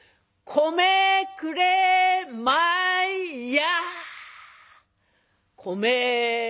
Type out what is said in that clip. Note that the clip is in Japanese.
「米くれまいや！」。